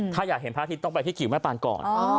ถ้าอยากเห็นพระอาทิตย์ต้องไปที่กิวแม่ปานก่อน